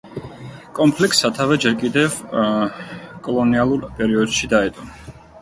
კონფლიქტს სათავე ჯერ კიდევ კოლონიალურ პერიოდში დაედო.